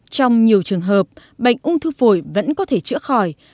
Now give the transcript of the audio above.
trong nhiều trường hợp bệnh ung thư phổi vẫn có thể chữa khỏi